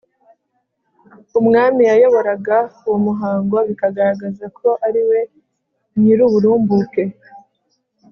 umwami yayoboraga uwo muhango bikagaragaza ko ariwe nyiruburumbuke